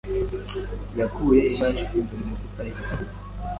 yakuye ibahasha ifunze mu mufuka ayiha Mariya.